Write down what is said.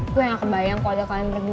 gue gak kebayang kalau ada kalian berdua